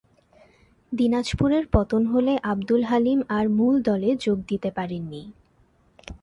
দিনাজপুরের পতন হলে আবদুল হালিম আর মূল দলে যোগ দিতে পারেননি।